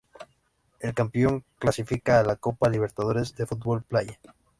El campeón clasifica a la Copa Libertadores de fútbol playa.